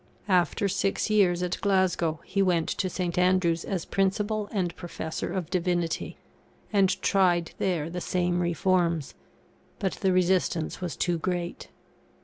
After six years at Glasgow, he went to St. Andrew's as Principal and Professor of Divinity, and tried there the same reforms, but the resistance was too great.